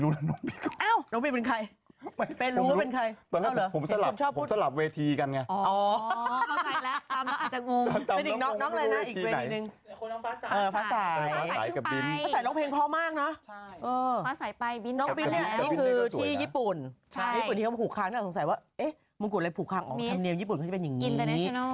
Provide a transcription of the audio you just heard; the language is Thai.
ทำเนียมญี่ปุ่นก็จะเป็นอย่างนี้